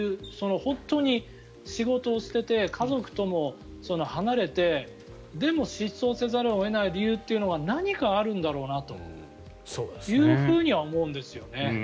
本当に仕事を捨てて家族とも離れてでも、失踪せざるを得ない理由というのが何かあるんだろうなとは思うんですよね。